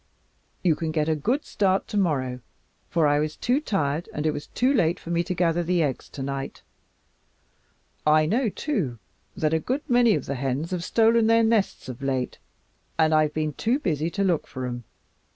You can get a good start tomorrow for I was too tired and it was too late for me to gather the eggs tonight. I know, too, that a good many of the hens have stolen their nests of late, and I've been too busy to look for 'em.